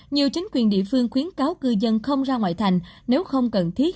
nhiều chính quyền địa phương khuyến cáo cư dân không ra ngoại thành nếu không cần thiết